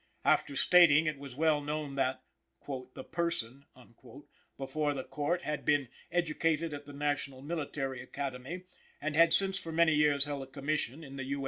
After stating that it was well known that "the person" before the Court had been educated at the National Military Academy, and had since for many years held a commission in the U.